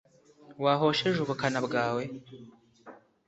wahosheje ubukana bwawe